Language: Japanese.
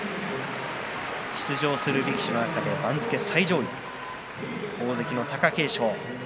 出場する力士の中で番付最上位大関の貴景勝。